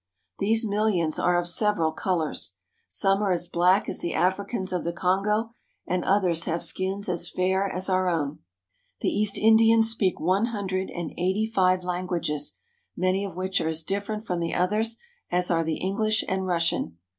These millions are of several colors. Some are as black as the Africans of the Kongo, and others have skins as fair as our own. The East Indians speak one hundred and eighty five languages, many of which are as different from the others as are the English and Russian.